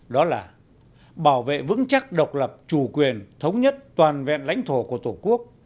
đó là bảo vệ vững chắc độc lập chủ quyền thống nhất toàn vẹn lãnh thổ của tổ quốc